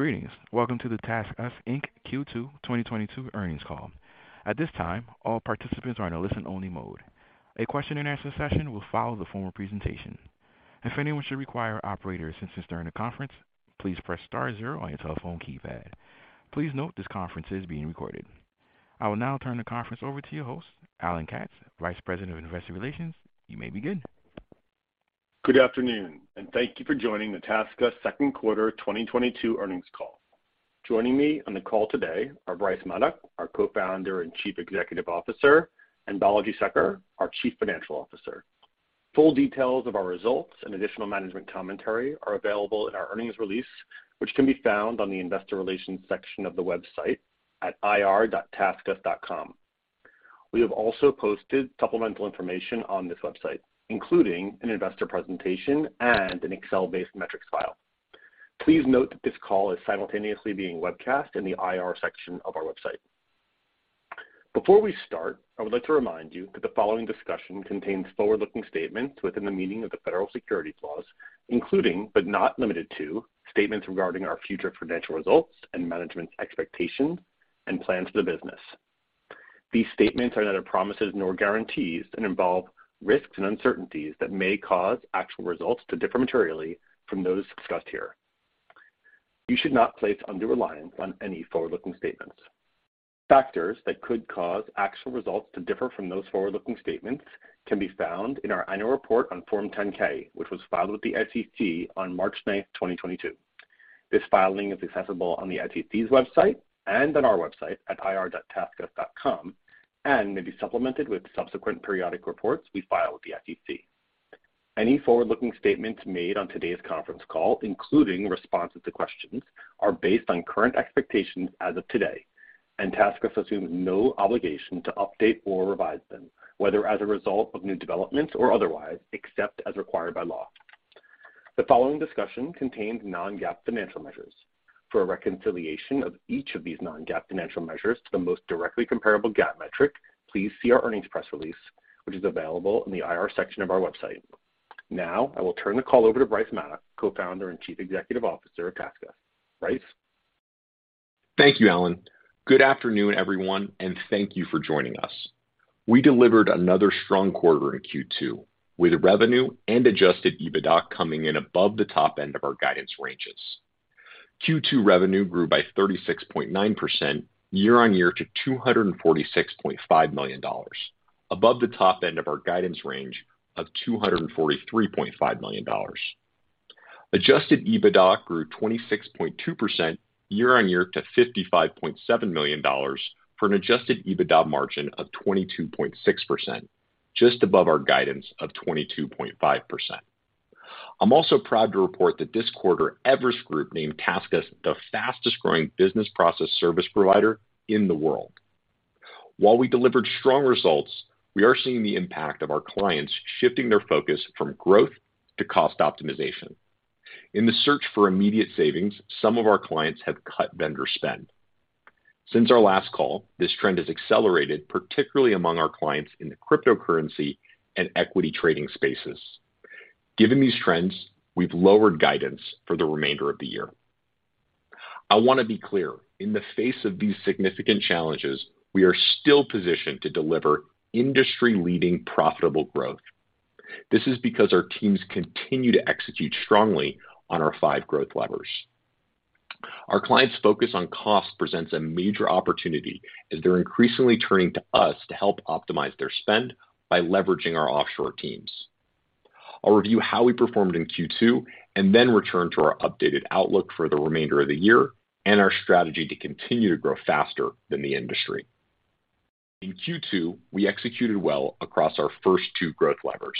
Greetings. Welcome to the TaskUs, Inc. Q2 2022 earnings call. At this time, all participants are in a listen-only mode. A question and answer session will follow the formal presentation. If anyone should require Operator assistance during the conference, please press star zero on your telephone keypad. Please note this conference is being recorded. I will now turn the conference over to your host, Alan Katz, Vice President of Investor Relations. You may begin. Good afternoon, and thank you for joining the TaskUs second quarter 2022 earnings call. Joining me on the call today are Bryce Maddock, our Co-founder and Chief Executive Officer, and Balaji Sekar, our Chief Financial Officer. Full details of our results and additional management commentary are available in our earnings release, which can be found on the investor relations section of the website at ir.taskus.com. We have also posted supplemental information on this website, including an investor presentation and an Excel-based metrics file. Please note that this call is simultaneously being webcast in the IR section of our website. Before we start, I would like to remind you that the following discussion contains forward-looking statements within the meaning of the Federal Securities laws, including, but not limited to, statements regarding our future financial results and management's expectations and plans for the business. These statements are neither promises nor guarantees and involve risks and uncertainties that may cause actual results to differ materially from those discussed here. You should not place undue reliance on any forward-looking statements. Factors that could cause actual results to differ from those forward-looking statements can be found in our annual report on Form 10-K, which was filed with the SEC on March 9, 2022. This filing is accessible on the SEC's website and on our website at ir.taskus.com, and may be supplemented with subsequent periodic reports we file with the SEC. Any forward-looking statements made on today's conference call, including responses to questions, are based on current expectations as of today, and TaskUs assumes no obligation to update or revise them, whether as a result of new developments or otherwise, except as required by law. The following discussion contains Non-GAAP financial measures. For a reconciliation of each of these Non-GAAP financial measures to the most directly comparable GAAP metric, please see our earnings press release, which is available in the IR section of our website. Now, I will turn the call over to Bryce Maddock, Co-founder and Chief Executive Officer of TaskUs. Bryce? Thank you, Alan. Good afternoon, everyone, and thank you for joining us. We delivered another strong quarter in Q2, with revenue and Adjusted EBITDA coming in above the top end of our guidance ranges. Q2 revenue grew by 36.9% year-over-year to $246.5 million, above the top end of our guidance range of $243.5 million. Adjusted EBITDA grew 26.2% year-over-year to $55.7 million, for an Adjusted EBITDA margin of 22.6%, just above our guidance of 22.5%. I'm also proud to report that this quarter, Everest Group named TaskUs the fastest growing business process service provider in the world. While we delivered strong results, we are seeing the impact of our clients shifting their focus from growth to cost optimization. In the search for immediate savings, some of our clients have cut vendor spend. Since our last call, this trend has accelerated, particularly among our clients in the cryptocurrency and equity trading spaces. Given these trends, we've lowered guidance for the remainder of the year. I wanna be clear. In the face of these significant challenges, we are still positioned to deliver industry-leading profitable growth. This is because our teams continue to execute strongly on our five growth levers. Our clients' focus on cost presents a major opportunity as they're increasingly turning to us to help optimize their spend by leveraging our offshore teams. I'll review how we performed in Q2 and then return to our updated outlook for the remainder of the year and our strategy to continue to grow faster than the industry. In Q2, we executed well across our first two growth levers,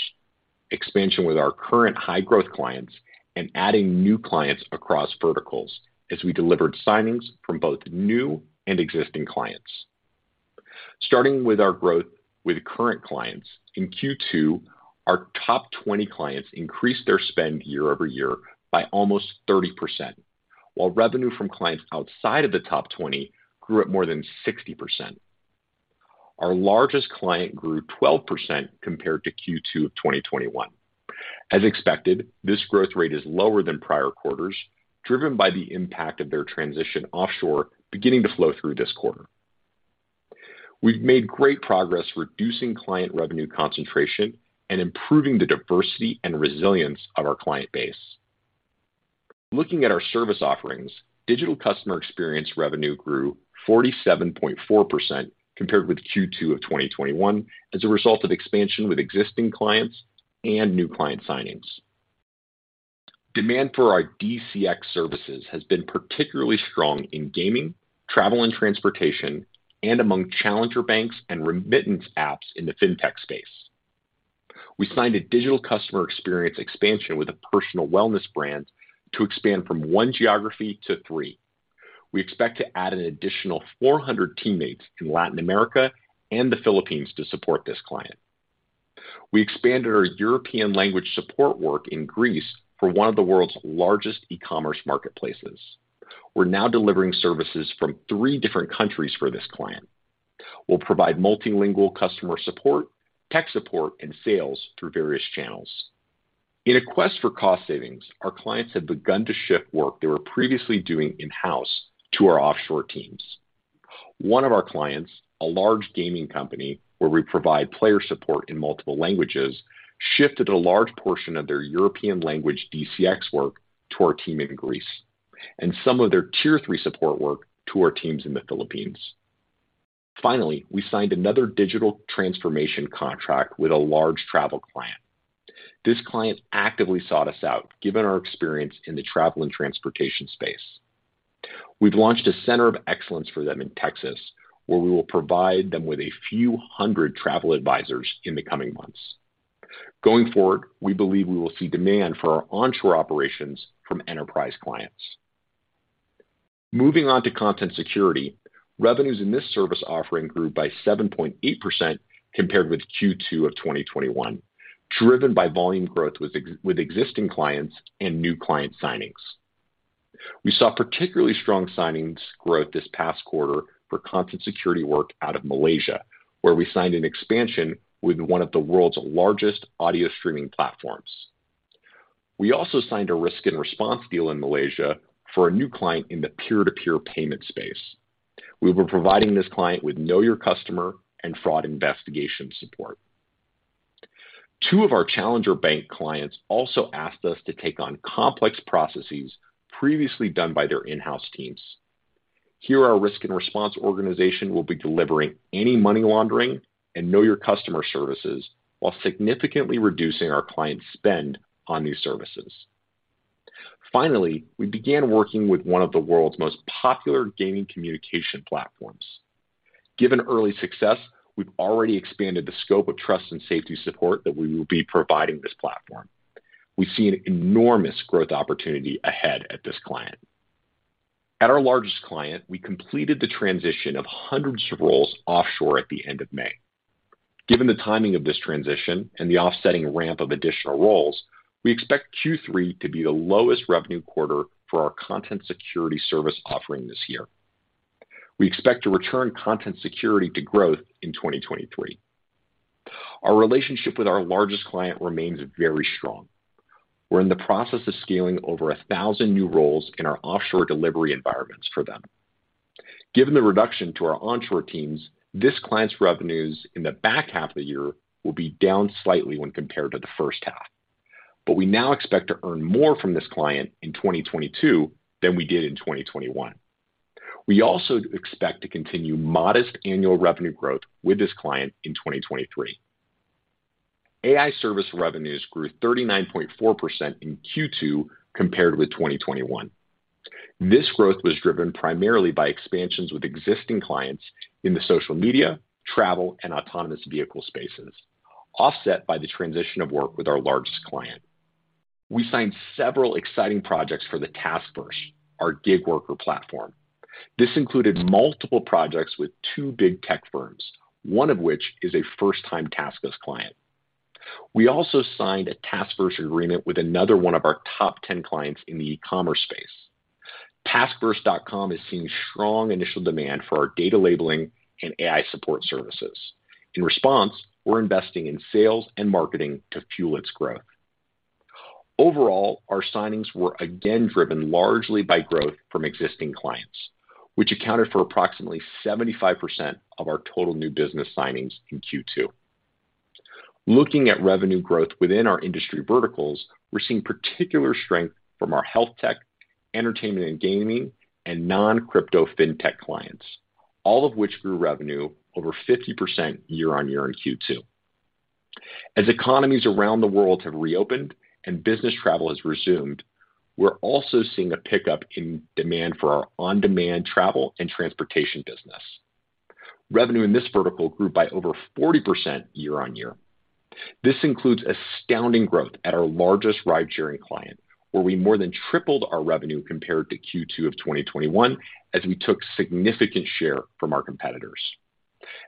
expansion with our current high-growth clients and adding new clients across verticals as we delivered signings from both new and existing clients. Starting with our growth with current clients, in Q2, our top 20 clients increased their spend year-over-year by almost 30%, while revenue from clients outside of the top 20 grew at more than 60%. Our largest client grew 12% compared to Q2 of 2021. As expected, this growth rate is lower than prior quarters, driven by the impact of their transition offshore beginning to flow through this quarter. We've made great progress reducing client revenue concentration and improving the diversity and resilience of our client base. Looking at our service offerings, digital customer experience revenue grew 47.4% compared with Q2 of 2021 as a result of expansion with existing clients and new client signings. Demand for our DCX services has been particularly strong in gaming, travel and transportation, and among challenger banks and remittance apps in the fintech space. We signed a digital customer experience expansion with a personal wellness brand to expand from one geography to three. We expect to add an additional 400 teammates in Latin America and the Philippines to support this client. We expanded our European language support work in Greece for one of the world's largest e-commerce marketplaces. We're now delivering services from three different countries for this client. We'll provide multilingual customer support, tech support, and sales through various channels. In a quest for cost savings, our clients have begun to shift work they were previously doing in-house to our offshore teams. One of our clients, a large gaming company, where we provide player support in multiple languages, shifted a large portion of their European language DCX work to our team in Greece, and some of their tier-three support work to our teams in the Philippines. Finally, we signed another digital transformation contract with a large travel client. This client actively sought us out given our experience in the travel and transportation space. We've launched a center of excellence for them in Texas, where we will provide them with a few hundred travel advisors in the coming months. Going forward, we believe we will see demand for our onshore operations from enterprise clients. Moving on to Content Security. Revenues in this service offering grew by 7.8% compared with Q2 of 2021, driven by volume growth with existing clients and new client signings. We saw particularly strong signings growth this past quarter for Content Security work out of Malaysia, where we signed an expansion with one of the world's largest audio streaming platforms. We also signed a Risk + Response deal in Malaysia for a new client in the peer-to-peer payment space. We've been providing this client with know your customer and fraud investigation support. Two of our challenger bank clients also asked us to take on complex processes previously done by their in-house teams. Here, our Risk + Response organization will be delivering anti-money laundering and know your customer services while significantly reducing our clients' spend on new services. Finally, we began working with one of the world's most popular gaming communication platforms. Given early success, we've already expanded the scope of Trust and Safety support that we will be providing this platform. We see an enormous growth opportunity ahead at this client. At our largest client, we completed the transition of hundreds of roles offshore at the end of May. Given the timing of this transition and the offsetting ramp of additional roles, we expect Q3 to be the lowest revenue quarter for our Content Security service offering this year. We expect to return Content Security to growth in 2023. Our relationship with our largest client remains very strong. We're in the process of scaling over a thousand new roles in our offshore delivery environments for them. Given the reduction to our onshore teams, this client's revenues in the back half of the year will be down slightly when compared to the first half. We now expect to earn more from this client in 2022 than we did in 2021. We also expect to continue modest annual revenue growth with this client in 2023. AI Services revenues grew 39.4% in Q2 compared with 2021. This growth was driven primarily by expansions with existing clients in the social media, travel, and autonomous vehicle spaces, offset by the transition of work with our largest client. We signed several exciting projects for the TaskVerse, our gig worker platform. This included multiple projects with two big tech firms, one of which is a first-time TaskUs client. We also signed a TaskVerse agreement with another one of our top 10 clients in the e-commerce space. TaskVerse.com is seeing strong initial demand for our data labeling and AI support services. In response, we're investing in sales and marketing to fuel its growth. Overall, our signings were again driven largely by growth from existing clients, which accounted for approximately 75% of our total new business signings in Q2. Looking at revenue growth within our industry verticals, we're seeing particular strength from our health tech, entertainment and gaming, and non-crypto fintech clients, all of which grew revenue over 50% year-on-year in Q2. As economies around the world have reopened and business travel has resumed, we're also seeing a pickup in demand for our on-demand travel and transportation business. Revenue in this vertical grew by over 40% year-on-year. This includes astounding growth at our largest ride-sharing client, where we more than tripled our revenue compared to Q2 of 2021 as we took significant share from our competitors.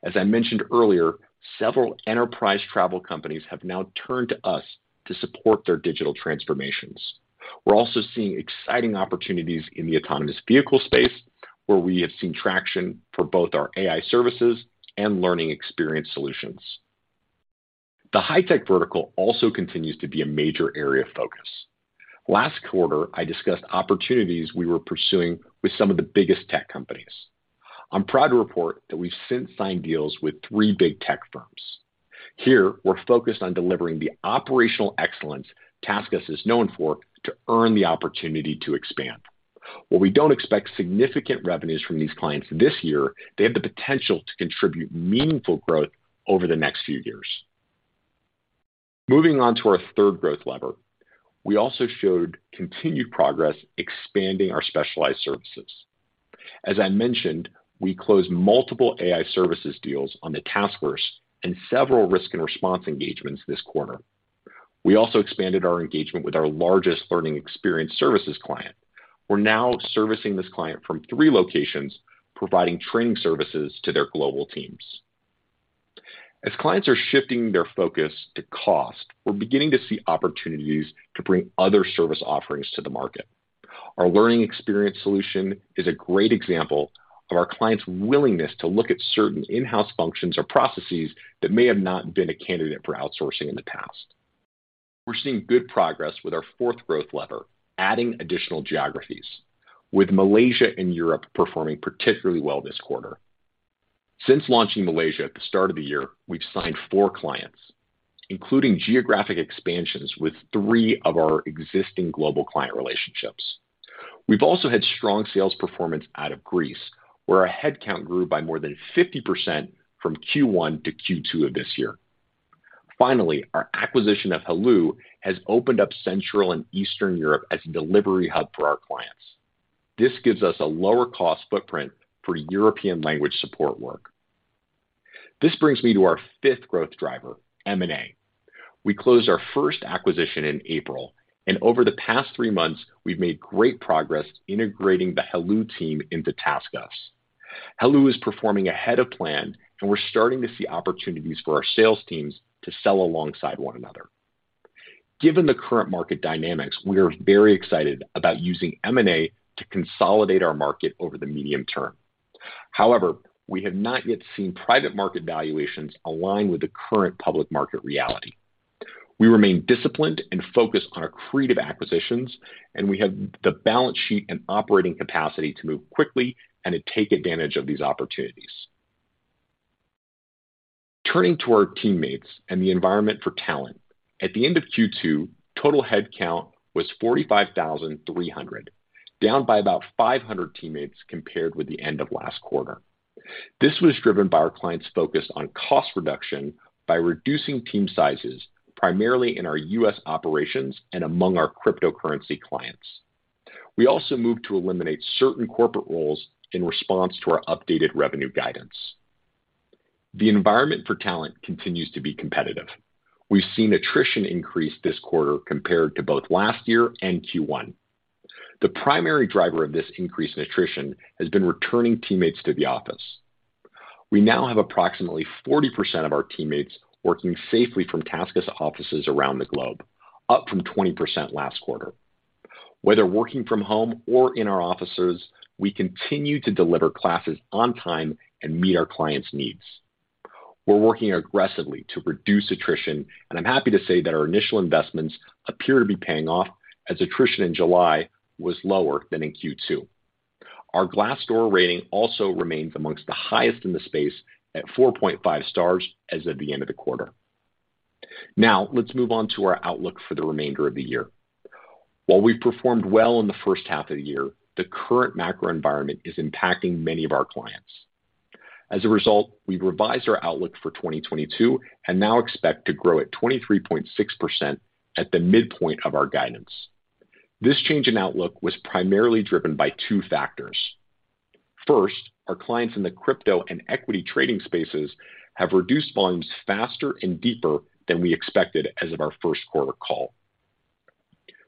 As I mentioned earlier, several enterprise travel companies have now turned to us to support their digital transformations. We're also seeing exciting opportunities in the autonomous vehicle space, where we have seen traction for both our AI Services and Learning Experience solutions. The high-tech vertical also continues to be a major area of focus. Last quarter, I discussed opportunities we were pursuing with some of the biggest tech companies. I'm proud to report that we've since signed deals with three big tech firms. Here, we're focused on delivering the operational excellence TaskUs is known for to earn the opportunity to expand. While we don't expect significant revenues from these clients this year, they have the potential to contribute meaningful growth over the next few years. Moving on to our third growth lever. We also showed continued progress expanding our specialized services. As I mentioned, we closed multiple AI Services deals on the TaskVerse and several Risk + Response engagements this quarter. We also expanded our engagement with our largest Learning Experience services client. We're now servicing this client from three locations, providing training services to their global teams. As clients are shifting their focus to cost, we're beginning to see opportunities to bring other service offerings to the market. Our Learning Experience solution is a great example of our clients' willingness to look at certain in-house functions or processes that may have not been a candidate for outsourcing in the past. We're seeing good progress with our fourth growth lever, adding additional geographies, with Malaysia and Europe performing particularly well this quarter. Since launching Malaysia at the start of the year, we've signed four clients, including geographic expansions with three of our existing global client relationships. We've also had strong sales performance out of Greece, where our head count grew by more than 50% from Q1 to Q2 of this year. Finally, our acquisition of Heloo has opened up Central and Eastern Europe as a delivery hub for our clients. This gives us a lower cost footprint for European language support work. This brings me to our fifth growth driver, M&A. We closed our first acquisition in April, and over the past 3 months, we've made great progress integrating the Heloo team into TaskUs. Heloo is performing ahead of plan, and we're starting to see opportunities for our sales teams to sell alongside one another. Given the current market dynamics, we are very excited about using M&A to consolidate our market over the medium term. However, we have not yet seen private market valuations align with the current public market reality. We remain disciplined and focused on our accretive acquisitions, and we have the balance sheet and operating capacity to move quickly and to take advantage of these opportunities. Turning to our teammates and the environment for talent, at the end of Q2, total head count was 45,300, down by about 500 teammates compared with the end of last quarter. This was driven by our clients' focus on cost reduction by reducing team sizes, primarily in our U.S. operations and among our cryptocurrency clients. We also moved to eliminate certain corporate roles in response to our updated revenue guidance. The environment for talent continues to be competitive. We've seen attrition increase this quarter compared to both last year and Q1. The primary driver of this increase in attrition has been returning teammates to the office. We now have approximately 40% of our teammates working safely from TaskUs offices around the globe, up from 20% last quarter. Whether working from home or in our offices, we continue to deliver classes on time and meet our clients' needs. We're working aggressively to reduce attrition, and I'm happy to say that our initial investments appear to be paying off as attrition in July was lower than in Q2. Our Glassdoor rating also remains amongst the highest in the space at 4.5 stars as of the end of the quarter. Now let's move on to our outlook for the remainder of the year. While we've performed well in the first half of the year, the current macro environment is impacting many of our clients. As a result, we've revised our outlook for 2022 and now expect to grow at 23.6% at the midpoint of our guidance. This change in outlook was primarily driven by two factors. First, our clients in the crypto and equity trading spaces have reduced volumes faster and deeper than we expected as of our first quarter call.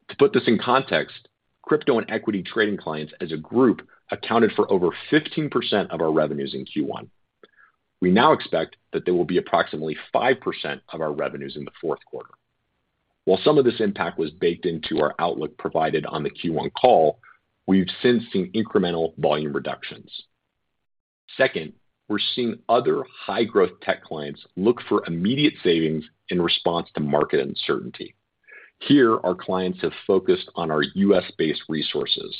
To put this in context, crypto and equity trading clients as a group accounted for over 15% of our revenues in Q1. We now expect that they will be approximately 5% of our revenues in the fourth quarter. While some of this impact was baked into our outlook provided on the Q1 call, we've since seen incremental volume reductions. Second, we're seeing other high-growth tech clients look for immediate savings in response to market uncertainty. Here, our clients have focused on our U.S.-based resources.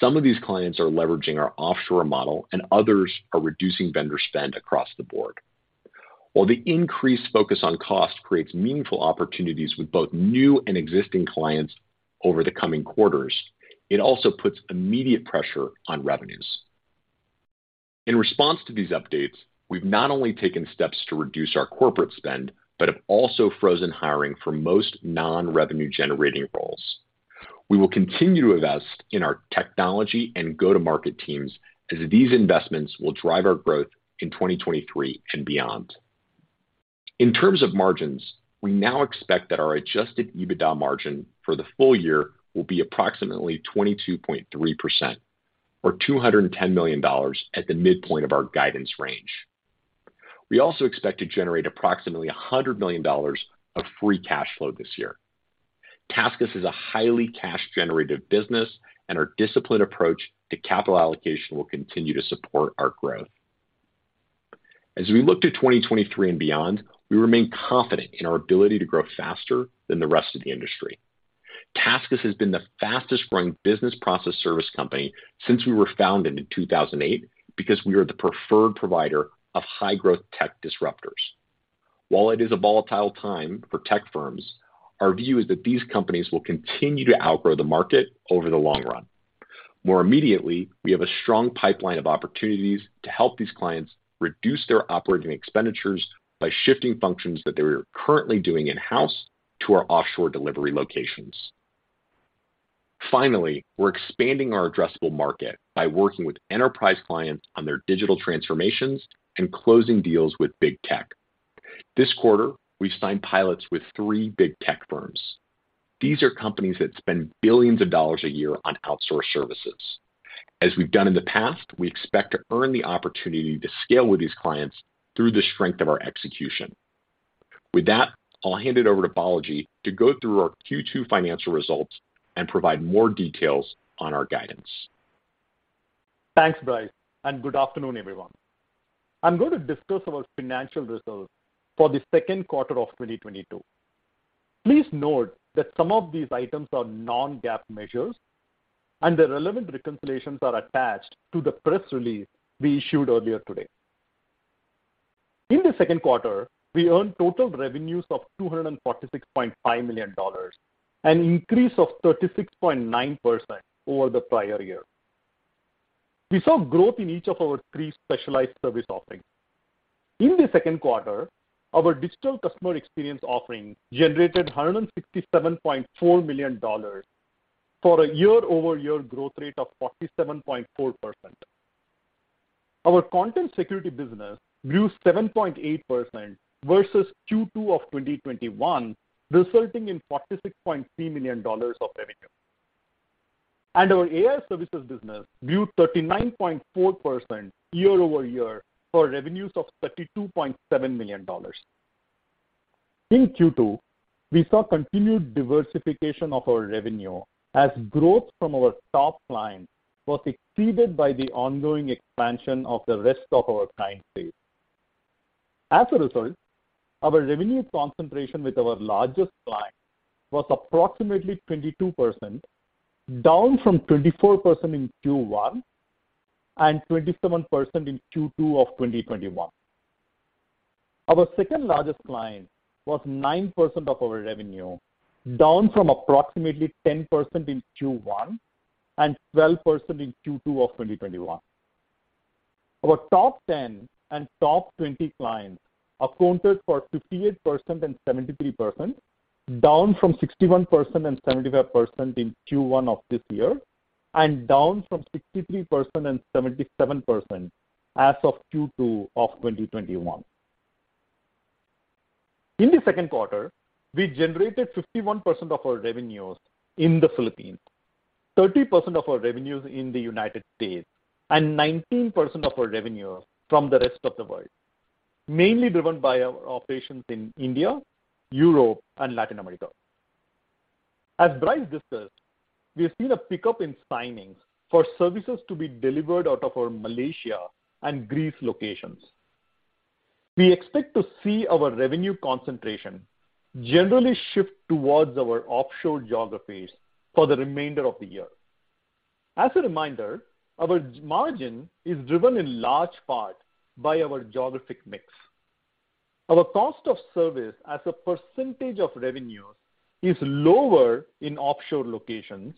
Some of these clients are leveraging our offshore model, and others are reducing vendor spend across the board. While the increased focus on cost creates meaningful opportunities with both new and existing clients over the coming quarters, it also puts immediate pressure on revenues. In response to these updates, we've not only taken steps to reduce our corporate spend, but have also frozen hiring for most non-revenue generating roles. We will continue to invest in our technology and go-to-market teams as these investments will drive our growth in 2023 and beyond. In terms of margins, we now expect that our Adjusted EBITDA margin for the full year will be approximately 22.3% or $210 million at the midpoint of our guidance range. We also expect to generate approximately $100 million of free cash flow this year. TaskUs is a highly cash generative business, and our disciplined approach to capital allocation will continue to support our growth. As we look to 2023 and beyond, we remain confident in our ability to grow faster than the rest of the industry. TaskUs has been the fastest growing business process service company since we were founded in 2008 because we are the preferred provider of high-growth tech disruptors. While it is a volatile time for tech firms, our view is that these companies will continue to outgrow the market over the long run. More immediately, we have a strong pipeline of opportunities to help these clients reduce their operating expenditures by shifting functions that they are currently doing in-house to our offshore delivery locations. Finally, we're expanding our addressable market by working with enterprise clients on their digital transformations and closing deals with Big Tech. This quarter, we've signed pilots with 3 Big Tech firms. These are companies that spend billions of dollars a year on outsourced services. As we've done in the past, we expect to earn the opportunity to scale with these clients through the strength of our execution. With that, I'll hand it over to Balaji to go through our Q2 financial results and provide more details on our guidance. Thanks, Bryce, and good afternoon, everyone. I'm going to discuss our financial results for the second quarter of 2022. Please note that some of these items are Non-GAAP measures and the relevant reconciliations are attached to the press release we issued earlier today. In the second quarter, we earned total revenues of $246.5 million, an increase of 36.9% over the prior year. We saw growth in each of our three specialized service offerings. In the second quarter, our Digital Customer Experience offering generated $167.4 million for a year-over-year growth rate of 47.4%. Our Content Security business grew 7.8% versus Q2 of 2021, resulting in $46.3 million of revenue. Our AI Services business grew 39.4% year-over-year for revenues of $32.7 million. In Q2, we saw continued diversification of our revenue as growth from our top clients was exceeded by the ongoing expansion of the rest of our client base. As a result, our revenue concentration with our largest client was approximately 22%, down from 24% in Q1 and 27% in Q2 of 2021. Our second-largest client was 9% of our revenue, down from approximately 10% in Q1 and 12% in Q2 of 2021. Our top ten and top twenty clients accounted for 58% and 73%, down from 61% and 75% in Q1 of this year and down from 63% and 77% as of Q2 of 2021. In the second quarter, we generated 51% of our revenues in the Philippines, 30% of our revenues in the United States, and 19% of our revenue from the rest of the world, mainly driven by our operations in India, Europe and Latin America. As Bryce discussed, we have seen a pickup in signings for services to be delivered out of our Malaysia and Greece locations. We expect to see our revenue concentration generally shift towards our offshore geographies for the remainder of the year. As a reminder, our margin is driven in large part by our geographic mix. Our cost of service as a percentage of revenue is lower in offshore locations,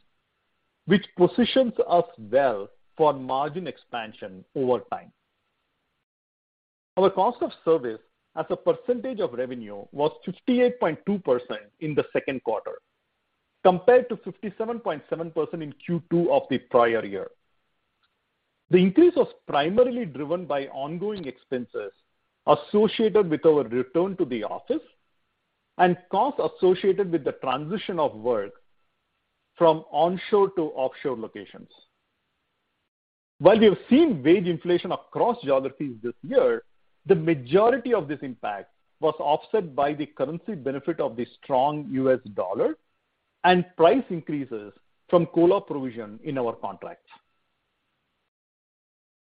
which positions us well for margin expansion over time. Our cost of service as a percentage of revenue was 58.2% in the second quarter, compared to 57.7% in Q2 of the prior year. The increase was primarily driven by ongoing expenses associated with our return to the office and costs associated with the transition of work from onshore to offshore locations. While we have seen wage inflation across geographies this year, the majority of this impact was offset by the currency benefit of the strong US dollar and price increases from COLA provision in our contracts.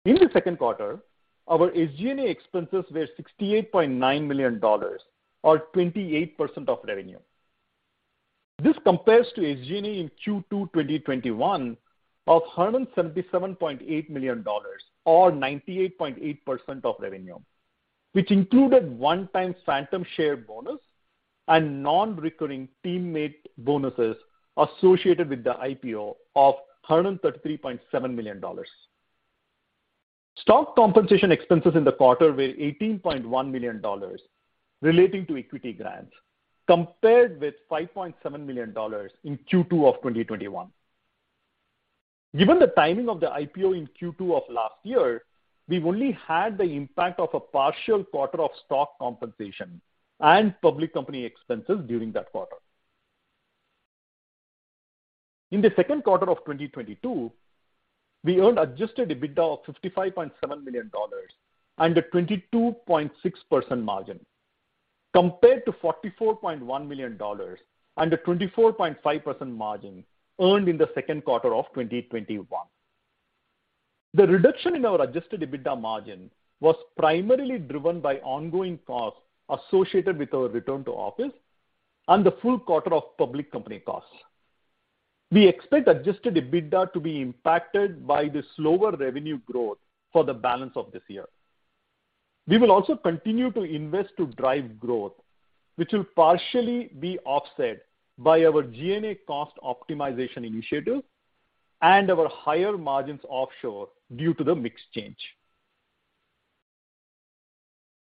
In the second quarter, our SG&A expenses were $68.9 million or 28% of revenue. This compares to SG&A in Q2 2021 of $177.8 million or 98.8% of revenue, which included one-time phantom share bonus and non-recurring teammate bonuses associated with the IPO of $133.7 million. Stock compensation expenses in the quarter were $18.1 million relating to equity grants, compared with $5.7 million in Q2 of 2021. Given the timing of the IPO in Q2 of last year, we've only had the impact of a partial quarter of stock compensation and public company expenses during that quarter. In the second quarter of 2022, we earned Adjusted EBITDA of $55.7 million and a 22.6% margin compared to $44.1 million and a 24.5% margin earned in the second quarter of 2021. The reduction in our Adjusted EBITDA margin was primarily driven by ongoing costs associated with our return to office and the full quarter of public company costs. We expect Adjusted EBITDA to be impacted by the slower revenue growth for the balance of this year. We will also continue to invest to drive growth, which will partially be offset by our G&A cost optimization initiatives and our higher margins offshore due to the mix change.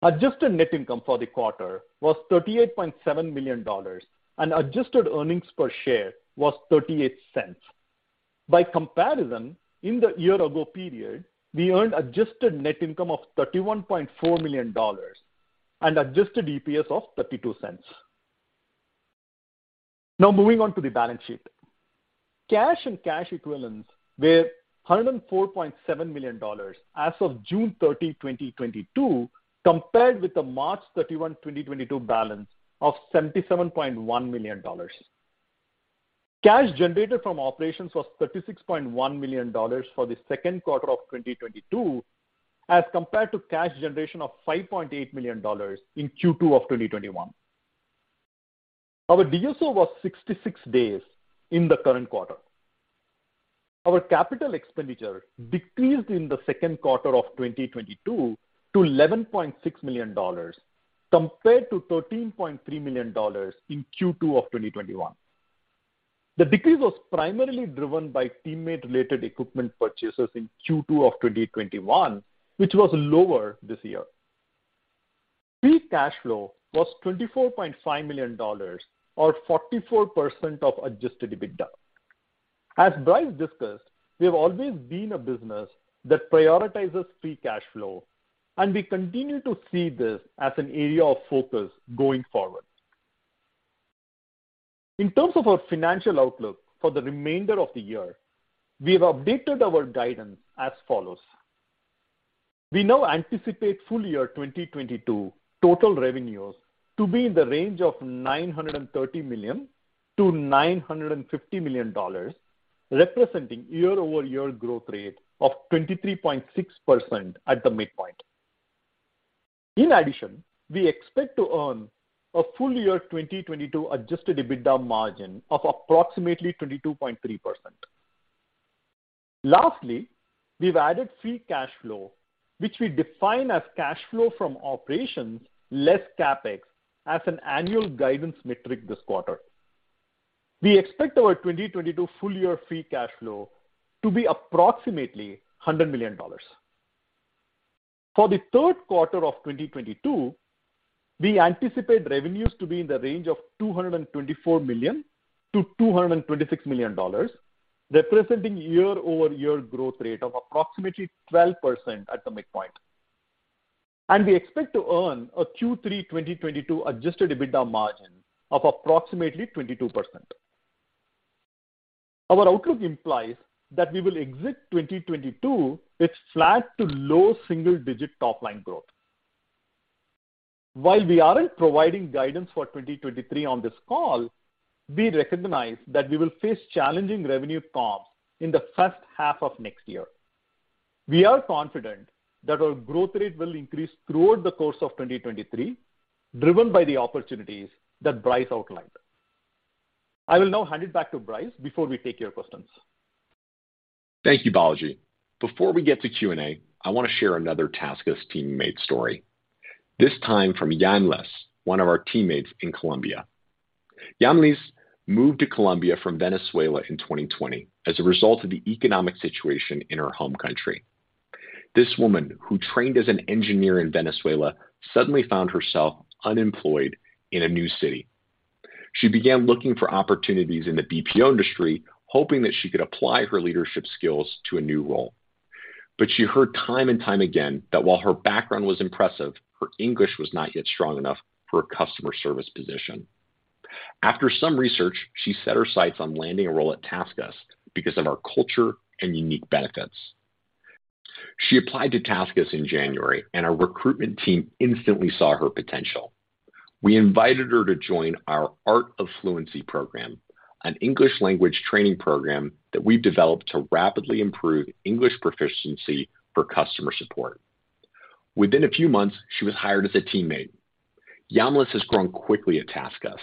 Adjusted net income for the quarter was $38.7 million and adjusted earnings per share was $0.38. By comparison, in the year ago period, we earned adjusted net income of $31.4 million and Adjusted EPS of $0.32. Now moving on to the balance sheet. Cash and cash equivalents were $104.7 million as of June 13, 2022, compared with the March 31, 2022 balance of $77.1 million. Cash generated from operations was $36.1 million for the second quarter of 2022, as compared to cash generation of $5.8 million in Q2 of 2021. Our DSO was 66 days in the current quarter. Our capital expenditure decreased in the second quarter of 2022 to $11.6 million compared to $13.3 million in Q2 of 2021. The decrease was primarily driven by teammate-related equipment purchases in Q2 of 2021, which was lower this year. Free cash flow was $24.5 million or 44% of Adjusted EBITDA. As Bryce discussed, we have always been a business that prioritizes free cash flow, and we continue to see this as an area of focus going forward. In terms of our financial outlook for the remainder of the year, we have updated our guidance as follows. We now anticipate full year 2022 total revenues to be in the range of $930 million-$950 million, representing year-over-year growth rate of 23.6% at the midpoint. In addition, we expect to earn a full year 2022 Adjusted EBITDA margin of approximately 22.3%. Lastly, we've added free cash flow, which we define as cash flow from operations less CapEx as an annual guidance metric this quarter. We expect our 2022 full year free cash flow to be approximately $100 million. For the third quarter of 2022, we anticipate revenues to be in the range of $224 million-$226 million, representing year-over-year growth rate of approximately 12% at the midpoint. We expect to earn a Q3 2022 Adjusted EBITDA margin of approximately 22%. Our outlook implies that we will exit 2022 with flat to low single-digit top line growth. While we aren't providing guidance for 2023 on this call, we recognize that we will face challenging revenue comps in the first half of next year. We are confident that our growth rate will increase throughout the course of 2023, driven by the opportunities that Bryce outlined. I will now hand it back to Bryce before we take your questions. Thank you, Balaji. Before we get to Q&A, I wanna share another Taskus teammate story. This time from Yamlis, one of our teammates in Colombia. Yamlis moved to Colombia from Venezuela in 2020 as a result of the economic situation in her home country. This woman, who trained as an engineer in Venezuela, suddenly found herself unemployed in a new city. She began looking for opportunities in the BPO industry, hoping that she could apply her leadership skills to a new role. She heard time and time again that while her background was impressive, her English was not yet strong enough for a customer service position. After some research, she set her sights on landing a role at Taskus because of our culture and unique benefits. She applied to Taskus in January, and our recruitment team instantly saw her potential. We invited her to join our Art of Fluency program, an English language training program that we've developed to rapidly improve English proficiency for customer support. Within a few months, she was hired as a teammate. Yamlis has grown quickly at TaskUs.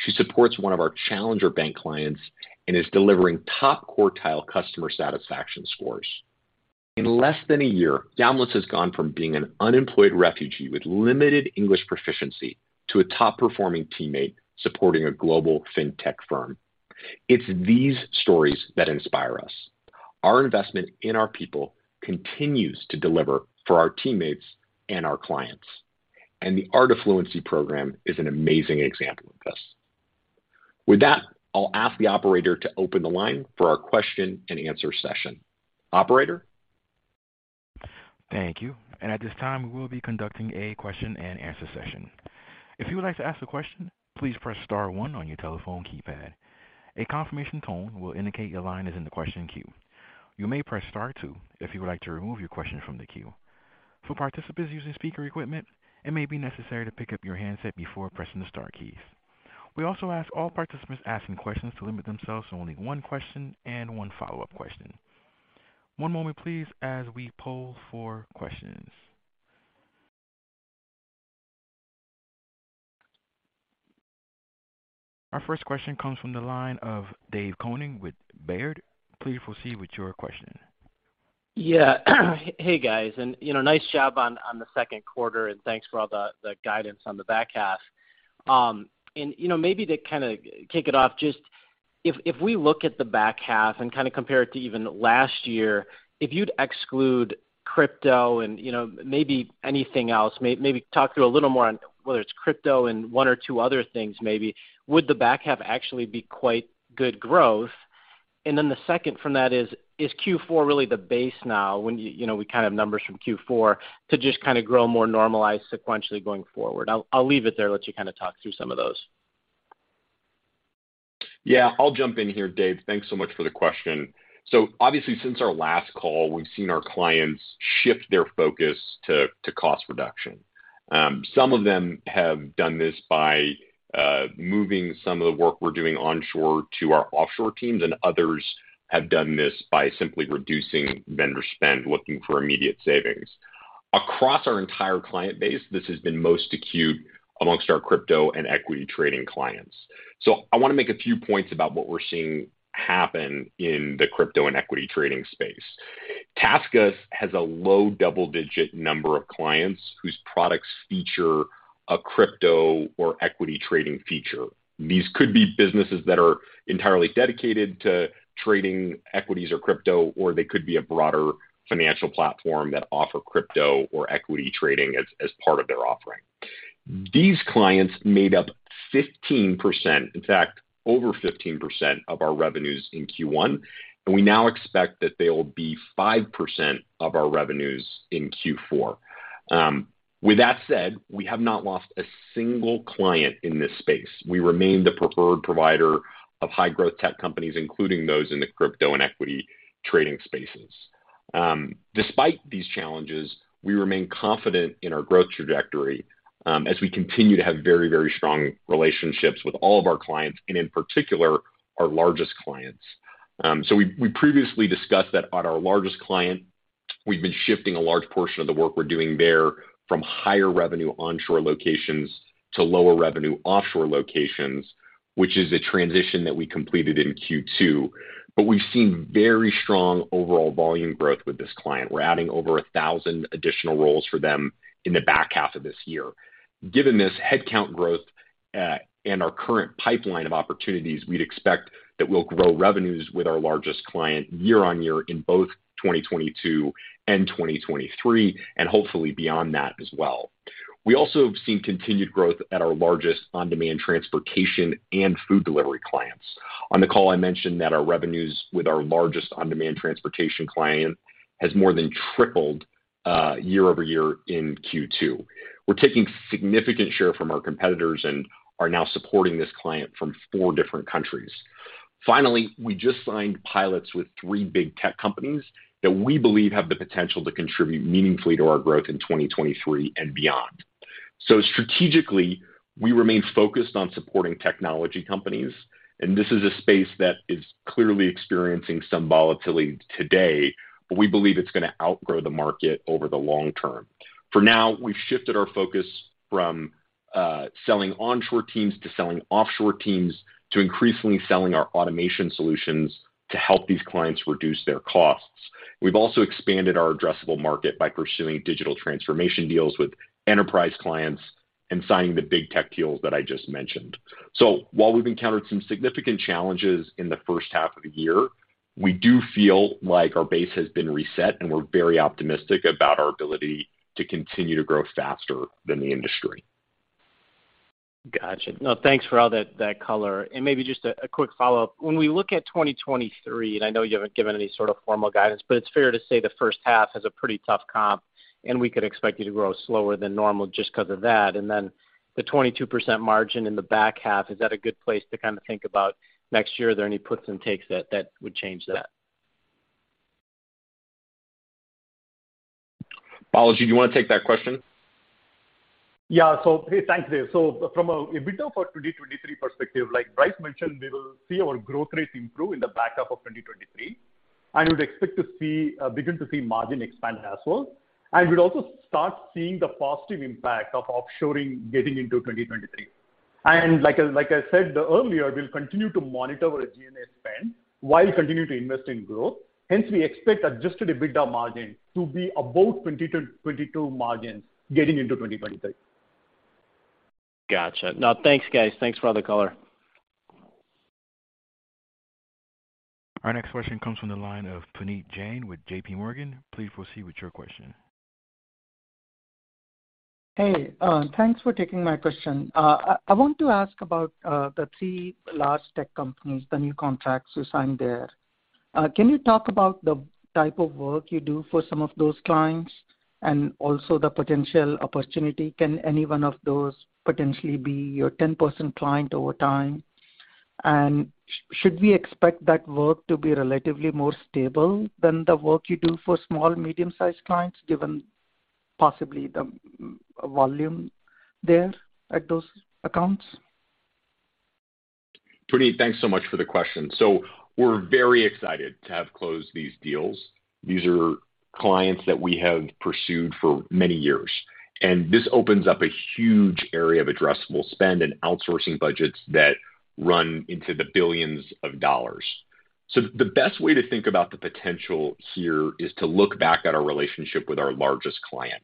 She supports one of our challenger bank clients and is delivering top-quartile customer satisfaction scores. In less than a year, Yamlis has gone from being an unemployed refugee with limited English proficiency to a top-performing teammate supporting a global fintech firm. It's these stories that inspire us. Our investment in our people continues to deliver for our teammates and our clients, and the Art of Fluency program is an amazing example of this. With that, I'll ask the Operator to open the line for our question-and-answer session. Operator? Thank you. At this time, we will be conducting a question-and-answer session. If you would like to ask a question, please press star one on your telephone keypad. A confirmation tone will indicate your line is in the question queue. You may press star two if you would like to remove your question from the queue. For participants using speaker equipment, it may be necessary to pick up your handset before pressing the star keys. We also ask all participants asking questions to limit themselves to only one question and one follow-up question. One moment please as we poll for questions. Our first question comes from the line of David Koning with Baird. Please proceed with your question. Hey, guys, you know, nice job on the second quarter, and thanks for all the guidance on the back half. You know, maybe to kinda kick it off, just if we look at the back half and kinda compare it to even last year, if you'd exclude crypto and, you know, maybe anything else, maybe talk through a little more on whether it's crypto and one or two other things maybe, would the back half actually be quite good growth? Then the second from that is Q4 really the base now when you know, we kind of numbers from Q4 to just kind of grow more normalized sequentially going forward? I'll leave it there, let you kind of talk through some of those. Yeah. I'll jump in here, Dave. Thanks so much for the question. Obviously, since our last call, we've seen our clients shift their focus to cost reduction. Some of them have done this by moving some of the work we're doing onshore to our offshore teams, and others have done this by simply reducing vendor spend, looking for immediate savings. Across our entire client base, this has been most acute amongst our crypto and equity trading clients. I wanna make a few points about what we're seeing happen in the crypto and equity trading space. Taskus has a low double-digit number of clients whose products feature a crypto or equity trading feature. These could be businesses that are entirely dedicated to trading equities or crypto, or they could be a broader financial platform that offer crypto or equity trading as part of their offering. These clients made up 15%, in fact, over 15% of our revenues in Q1, and we now expect that they'll be 5% of our revenues in Q4. With that said, we have not lost a single client in this space. We remain the preferred provider of high-growth tech companies, including those in the crypto and equity trading spaces. Despite these challenges, we remain confident in our growth trajectory, as we continue to have very, very strong relationships with all of our clients, and in particular, our largest clients. We previously discussed that at our largest client, we've been shifting a large portion of the work we're doing there from higher revenue onshore locations to lower revenue offshore locations, which is a transition that we completed in Q2. We've seen very strong overall volume growth with this client. We're adding over 1,000 additional roles for them in the back half of this year. Given this headcount growth, and our current pipeline of opportunities, we'd expect that we'll grow revenues with our largest client year-on-year in both 2022 and 2023, and hopefully beyond that as well. We also have seen continued growth at our largest on-demand transportation and food delivery clients. On the call, I mentioned that our revenues with our largest on-demand transportation client has more than tripled, year-over-year in Q2. We're taking significant share from our competitors and are now supporting this client from four different countries. Finally, we just signed pilots with three big tech companies that we believe have the potential to contribute meaningfully to our growth in 2023 and beyond. Strategically, we remain focused on supporting technology companies, and this is a space that is clearly experiencing some volatility today, but we believe it's gonna outgrow the market over the long term. For now, we've shifted our focus from selling onshore teams to selling offshore teams to increasingly selling our automation solutions to help these clients reduce their costs. We've also expanded our addressable market by pursuing digital transformation deals with enterprise clients and signing the big tech deals that I just mentioned. While we've encountered some significant challenges in the first half of the year, we do feel like our base has been reset, and we're very optimistic about our ability to continue to grow faster than the industry. Gotcha. No, thanks for all that color. Maybe just a quick follow-up. When we look at 2023, and I know you haven't given any sort of formal guidance, but it's fair to say the first half has a pretty tough comp, and we could expect you to grow slower than normal just 'cause of that. Then the 22% margin in the back half, is that a good place to kind of think about next year? Are there any puts and takes that would change that? Balaji, do you wanna take that question? Yeah. Hey, thanks, Dave. From a bit of a 2023 perspective, like Bryce mentioned, we will see our growth rate improve in the back half of 2023, and we'd expect to begin to see margin expand as well. We'd also start seeing the positive impact of offshoring getting into 2023. Like I said earlier, we'll continue to monitor our G&A spend while continuing to invest in growth. Hence, we expect Adjusted EBITDA margin to be above 2022 margins getting into 2023. Gotcha. No, thanks, guys. Thanks for all the color. Our next question comes from the line of Puneet Jain with JPMorgan. Please proceed with your question. Hey, thanks for taking my question. I want to ask about the three large tech companies, the new contracts you signed there. Can you talk about the type of work you do for some of those clients and also the potential opportunity? Can any one of those potentially be your 10% client over time? Should we expect that work to be relatively more stable than the work you do for small, medium-sized clients, given possibly the volume there at those accounts? Puneet, thanks so much for the question. We're very excited to have closed these deals. These are clients that we have pursued for many years, and this opens up a huge area of addressable spend and outsourcing budgets that run into the billions of dollars. The best way to think about the potential here is to look back at our relationship with our largest client.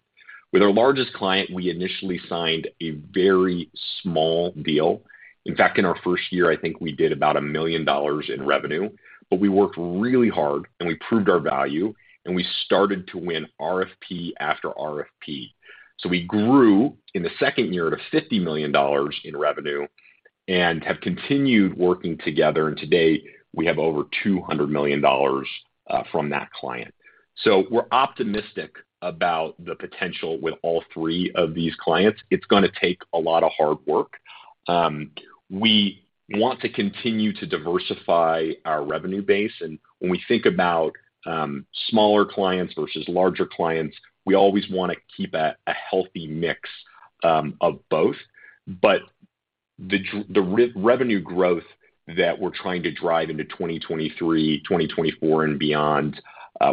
With our largest client, we initially signed a very small deal. In fact, in our first year, I think we did about $1 million in revenue. We worked really hard, and we proved our value, and we started to win RFP after RFP. We grew in the second year to $50 million in revenue. We have continued working together, and today we have over $200 million from that client. We're optimistic about the potential with all three of these clients. It's gonna take a lot of hard work. We want to continue to diversify our revenue base. When we think about smaller clients versus larger clients, we always wanna keep a healthy mix of both. The revenue growth that we're trying to drive into 2023, 2024 and beyond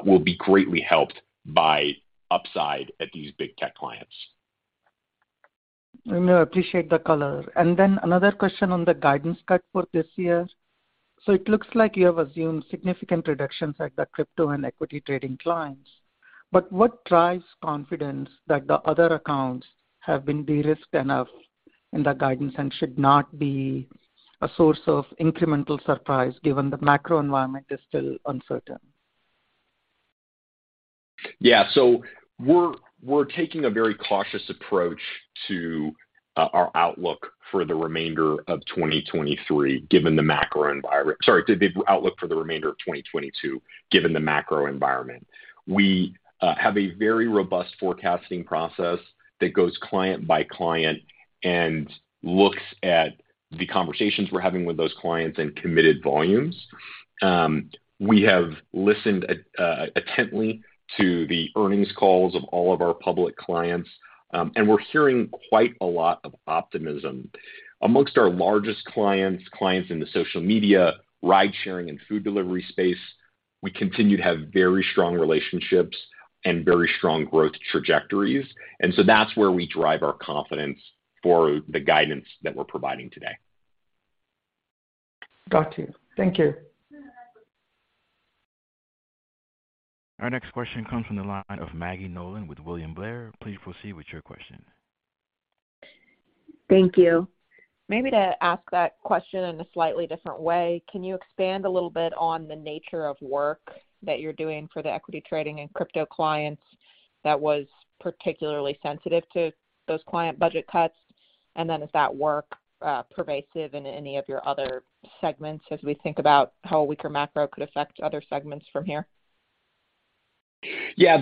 will be greatly helped by upside at these big tech clients. I appreciate the color. Another question on the guidance cut for this year. It looks like you have assumed significant reductions at the crypto and equity trading clients, but what drives confidence that the other accounts have been de-risked enough in the guidance and should not be a source of incremental surprise given the macro environment is still uncertain? Yeah. We're taking a very cautious approach to our outlook for the remainder of 2023, given the macro environment. Sorry, the outlook for the remainder of 2022, given the macro environment. We have a very robust forecasting process that goes client by client and looks at the conversations we're having with those clients and committed volumes. We have listened attentively to the earnings calls of all of our public clients, and we're hearing quite a lot of optimism. Amongst our largest clients in the social media, ride sharing, and food delivery space, we continue to have very strong relationships and very strong growth trajectories. That's where we drive our confidence for the guidance that we're providing today. Got you. Thank you. Our next question comes from the line of Maggie Nolan with William Blair. Please proceed with your question. Thank you. Maybe to ask that question in a slightly different way, can you expand a little bit on the nature of work that you're doing for the equity trading and crypto clients that was particularly sensitive to those client budget cuts? Is that work pervasive in any of your other segments as we think about how weaker macro could affect other segments from here? In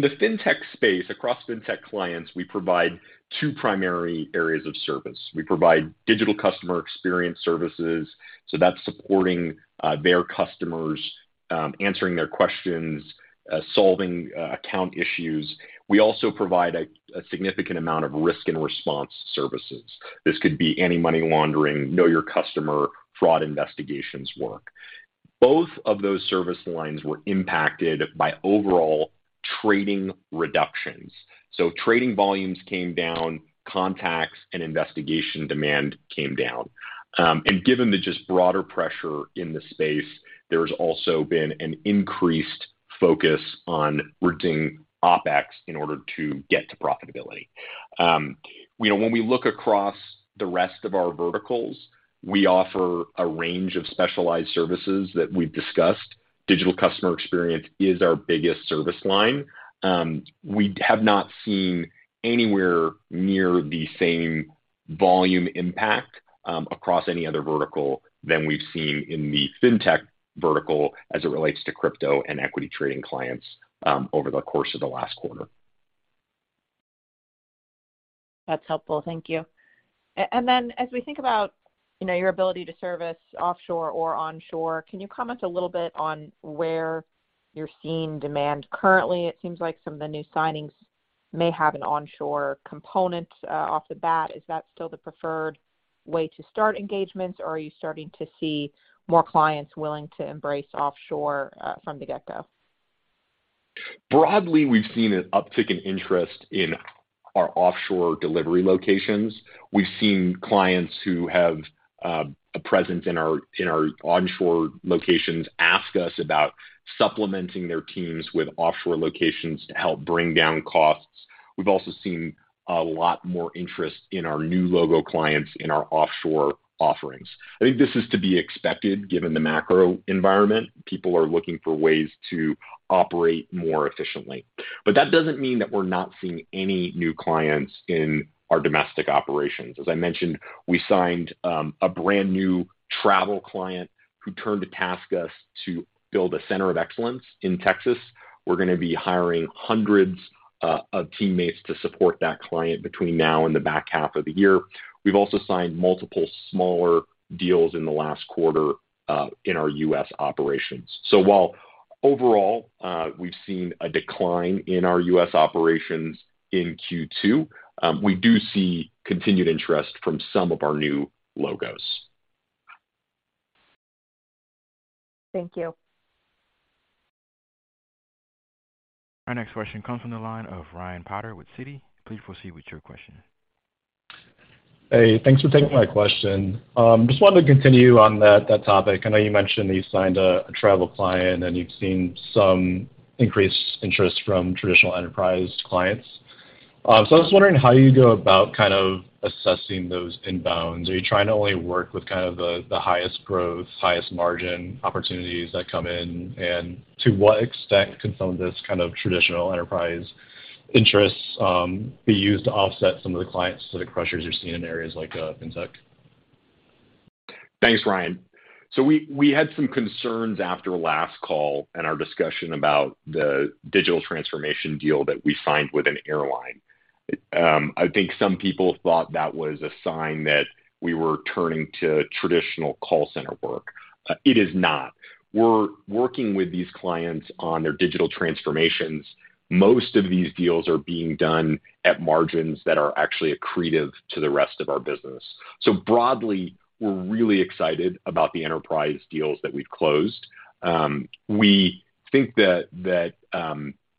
the fintech space, across fintech clients, we provide two primary areas of service. We provide Digital Customer Experience services, so that's supporting their customers, answering their questions, solving account issues. We also provide a significant amount of Risk + Response services. This could be anti-money laundering, know your customer, fraud investigations work. Both of those service lines were impacted by overall trading reductions. Trading volumes came down, contacts and investigation demand came down. Given the broader pressure in the space, there's also been an increased focus on reducing OpEx in order to get to profitability. You know, when we look across the rest of our verticals, we offer a range of specialized services that we've discussed. Digital Customer Experience is our biggest service line. We have not seen anywhere near the same volume impact, across any other vertical than we've seen in the fintech vertical as it relates to crypto and equity trading clients, over the course of the last quarter. That's helpful. Thank you. As we think about, you know, your ability to service offshore or onshore, can you comment a little bit on where you're seeing demand currently? It seems like some of the new signings may have an onshore component off the bat. Is that still the preferred way to start engagements, or are you starting to see more clients willing to embrace offshore from the get-go? Broadly, we've seen an uptick in interest in our offshore delivery locations. We've seen clients who have a presence in our onshore locations ask us about supplementing their teams with offshore locations to help bring down costs. We've also seen a lot more interest in our new logo clients in our offshore offerings. I think this is to be expected given the macro environment. People are looking for ways to operate more efficiently. That doesn't mean that we're not seeing any new clients in our domestic operations. As I mentioned, we signed a brand new travel client who turned to TaskUs to build a center of excellence in Texas. We're gonna be hiring hundreds of teammates to support that client between now and the back half of the year. We've also signed multiple smaller deals in the last quarter in our U.S. operations. While overall, we've seen a decline in our U.S. operations in Q2, we do see continued interest from some of our new logos. Thank you. Our next question comes from the line of Ryan Potter with Citi. Please proceed with your question. Hey, thanks for taking my question. Just wanted to continue on that topic. I know you mentioned that you signed a travel client and you've seen some increased interest from traditional enterprise clients. So I was wondering how you go about kind of assessing those inbounds. Are you trying to only work with kind of the highest growth, highest margin opportunities that come in? And to what extent can some of this kind of traditional enterprise interests be used to offset some of the client-specific pressures you're seeing in areas like fintech? Thanks, Ryan. We had some concerns after last call and our discussion about the digital transformation deal that we signed with an airline. I think some people thought that was a sign that we were turning to traditional call center work. It is not. We're working with these clients on their digital transformations. Most of these deals are being done at margins that are actually accretive to the rest of our business. Broadly, we're really excited about the enterprise deals that we've closed. We think that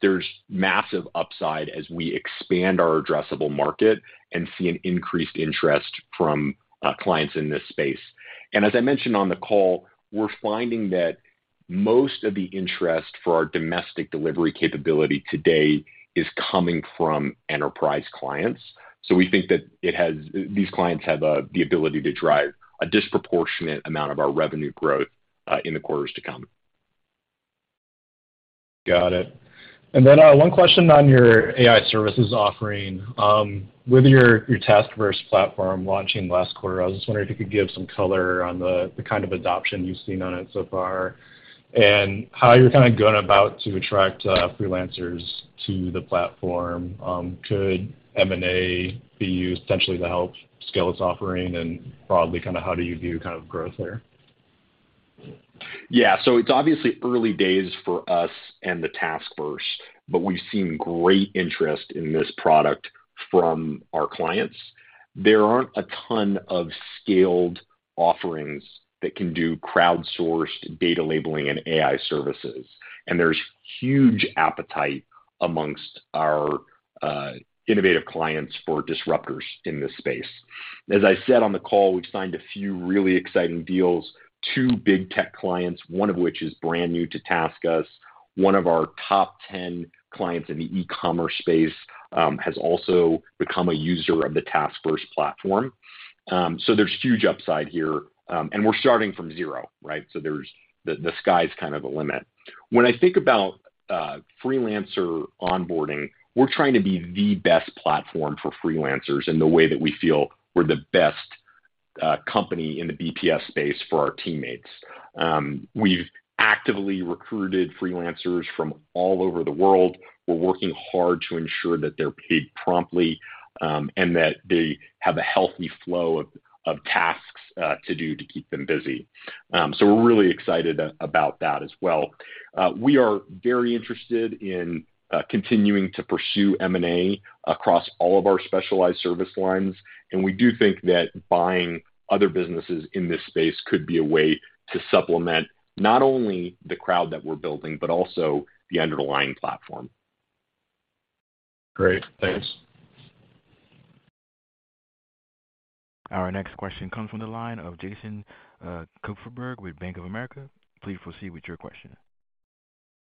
there's massive upside as we expand our addressable market and see an increased interest from clients in this space. As I mentioned on the call, we're finding that most of the interest for our domestic delivery capability today is coming from enterprise clients. We think that these clients have the ability to drive a disproportionate amount of our revenue growth in the quarters to come. Got it. One question on your AI Services offering. With your TaskVerse platform launching last quarter, I was just wondering if you could give some color on the kind of adoption you've seen on it so far and how you're kinda going about to attract freelancers to the platform. Could M&A be used potentially to help scale its offering? Broadly, kinda how do you view kind of growth there? Yeah. It's obviously early days for us and the TaskVerse, but we've seen great interest in this product from our clients. There aren't a ton of scaled offerings that can do crowdsourced data labeling and AI services, and there's huge appetite amongst our innovative clients for disruptors in this space. As I said on the call, we've signed a few really exciting deals, two big tech clients, one of which is brand new to TaskUs. One of our top ten clients in the e-commerce space has also become a user of the TaskVerse platform. There's huge upside here. We're starting from zero, right? The sky's kind of the limit. When I think about freelancer onboarding, we're trying to be the best platform for freelancers in the way that we feel we're the best company in the BPS space for our teammates. We've actively recruited freelancers from all over the world. We're working hard to ensure that they're paid promptly and that they have a healthy flow of tasks to do to keep them busy. We're really excited about that as well. We are very interested in continuing to pursue M&A across all of our specialized service lines, and we do think that buying other businesses in this space could be a way to supplement not only the crowd that we're building, but also the underlying platform. Great. Thanks. Our next question comes from the line of Jason Kupferberg with Bank of America. Please proceed with your question.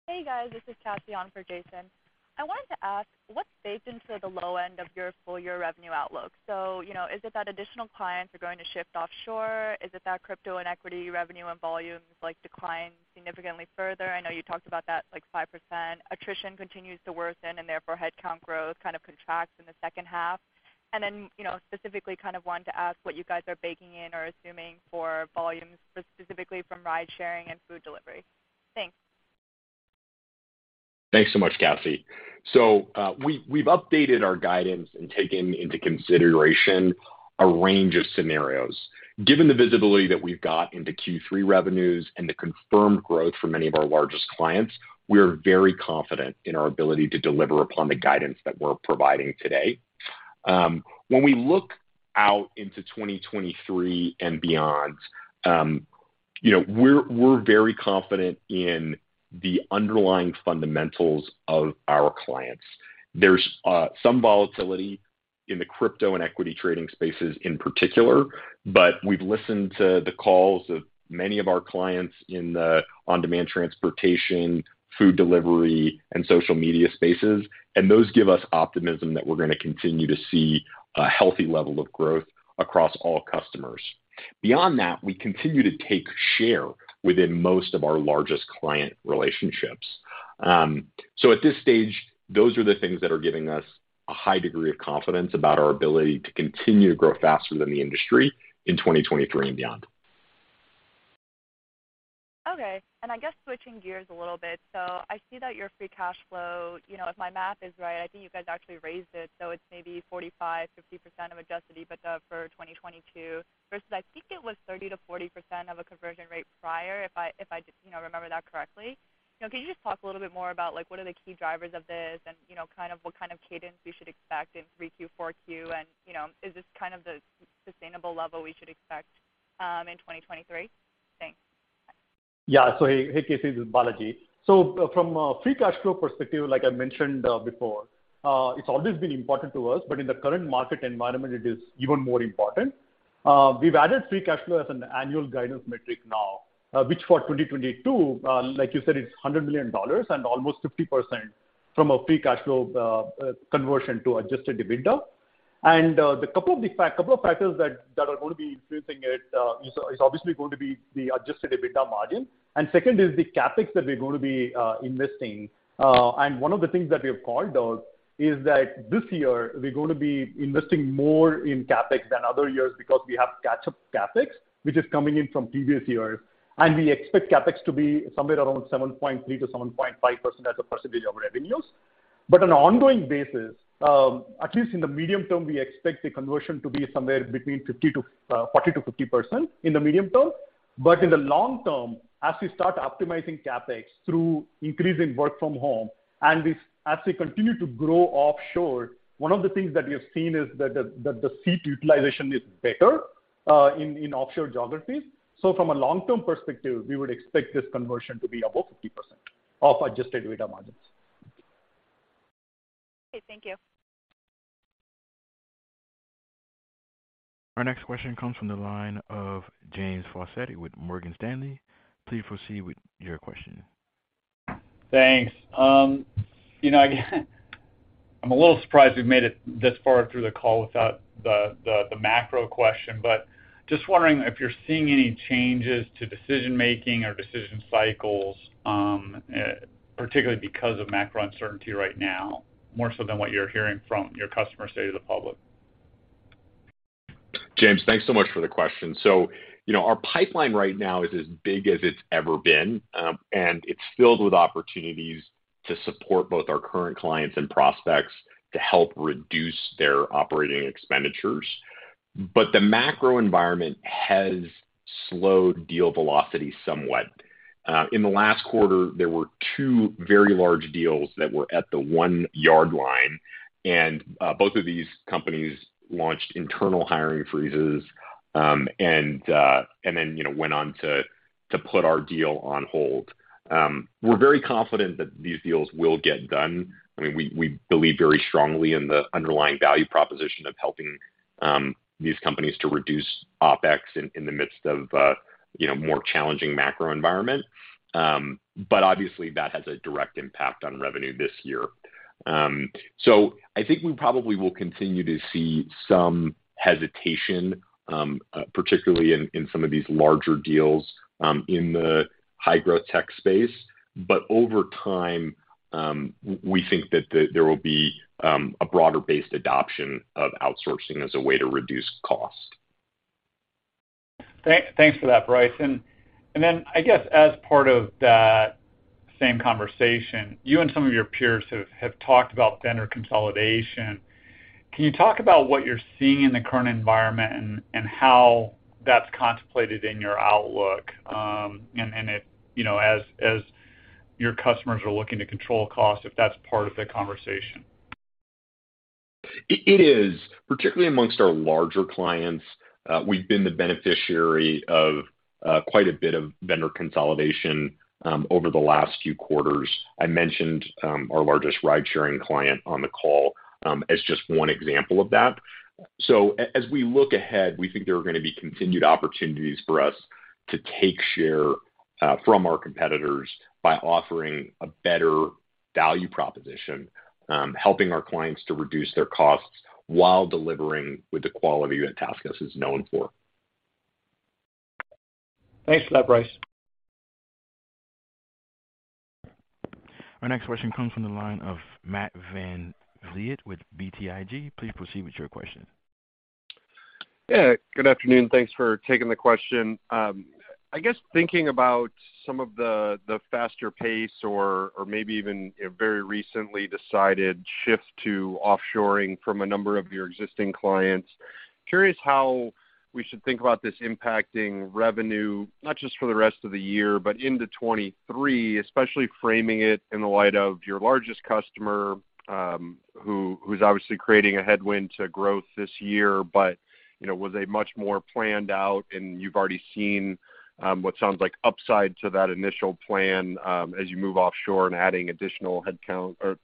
Hey, guys, this is Cassie on for Jason. I wanted to ask what's baked into the low end of your full year revenue outlook. You know, is it that additional clients are going to shift offshore? Is it that crypto and equity revenue and volumes, like, decline significantly further? I know you talked about that, like, 5% attrition continues to worsen, and therefore, headcount growth kind of contracts in the second half. You know, specifically kind of wanted to ask what you guys are baking in or assuming for volumes, specifically from ride-sharing and food delivery. Thanks. Thanks so much, Cassie. We've updated our guidance and taken into consideration a range of scenarios. Given the visibility that we've got into Q3 revenues and the confirmed growth for many of our largest clients, we are very confident in our ability to deliver upon the guidance that we're providing today. When we look out into 2023 and beyond, you know, we're very confident in the underlying fundamentals of our clients. There's some volatility in the crypto and equity trading spaces in particular, but we've listened to the calls of many of our clients in the on-demand transportation, food delivery, and social media spaces, and those give us optimism that we're gonna continue to see a healthy level of growth across all customers. Beyond that, we continue to take share within most of our largest client relationships. At this stage, those are the things that are giving us a high degree of confidence about our ability to continue to grow faster than the industry in 2023 and beyond. Okay. I guess switching gears a little bit, so I see that your free cash flow, you know, if my math is right, I think you guys actually raised it, so it's maybe 45%-50% of Adjusted EBITDA for 2022 versus I think it was 30%-40% of a conversion rate prior, if I you know, remember that correctly. You know, can you just talk a little bit more about, like, what are the key drivers of this and, you know, kind of what kind of cadence we should expect in 3Q, 4Q? You know, is this kind of the sustainable level we should expect in 2023? Thanks. Yeah. Hey, Cassie, this is Balaji. From a free cash flow perspective, like I mentioned before, it's always been important to us, but in the current market environment, it is even more important. We've added free cash flow as an annual guidance metric now, which for 2022, like you said, it's $100 million and almost 50% from a free cash flow conversion to Adjusted EBITDA. The couple of factors that are going to be influencing it is obviously going to be the Adjusted EBITDA margin. Second is the CapEx that we're going to be investing. One of the things that we have called out is that this year we're going to be investing more in CapEx than other years because we have catch-up CapEx, which is coming in from previous years, and we expect CapEx to be somewhere around 7.3%-7.5% as a percentage of revenues. On an ongoing basis, at least in the medium term, we expect the conversion to be somewhere between 40%-50% in the medium term. In the long term, as we start optimizing CapEx through increasing work from home, and as we continue to grow offshore, one of the things that we have seen is that the seat utilization is better in offshore geographies. From a long-term perspective, we would expect this conversion to be above 50% of Adjusted EBITDA margins. Okay, thank you. Our next question comes from the line of James Faucette with Morgan Stanley. Please proceed with your question. Thanks. You know, again, I'm a little surprised we've made it this far through the call without the macro question, but just wondering if you're seeing any changes to decision-making or decision cycles, particularly because of macro uncertainty right now, more so than what you're hearing from your customers say to the public. James, thanks so much for the question. You know, our pipeline right now is as big as it's ever been, and it's filled with opportunities to support both our current clients and prospects to help reduce their operating expenditures. The macro environment has slowed deal velocity somewhat. In the last quarter, there were two very large deals that were at the one-yard line, and both of these companies launched internal hiring freezes, and then you know, went on to put our deal on hold. We're very confident that these deals will get done. I mean, we believe very strongly in the underlying value proposition of helping these companies to reduce OpEx in the midst of you know, more challenging macro environment. Obviously, that has a direct impact on revenue this year. I think we probably will continue to see some hesitation, particularly in some of these larger deals, in the high-growth tech space. Over time, we think that there will be a broader-based adoption of outsourcing as a way to reduce cost. Thanks for that, Bryce. I guess as part of that same conversation, you and some of your peers have talked about vendor consolidation. Can you talk about what you're seeing in the current environment and how that's contemplated in your outlook, and it, you know, as your customers are looking to control costs, if that's part of the conversation? It is. Particularly amongst our larger clients, we've been the beneficiary of quite a bit of vendor consolidation over the last few quarters. I mentioned our largest ride-sharing client on the call as just one example of that. As we look ahead, we think there are gonna be continued opportunities for us to take share from our competitors by offering a better value proposition, helping our clients to reduce their costs while delivering with the quality that TaskUs is known for. Thanks for that, Bryce. Our next question comes from the line of Matthew VanVliet with BTIG. Please proceed with your question. Yeah. Good afternoon. Thanks for taking the question. I guess thinking about some of the faster pace or maybe even, you know, very recently decided shift to offshoring from a number of your existing clients. Curious how we should think about this impacting revenue, not just for the rest of the year, but into 2023, especially framing it in the light of your largest customer, who is obviously creating a headwind to growth this year, but you know, was a much more planned out and you've already seen what sounds like upside to that initial plan as you move offshore and adding additional headcount or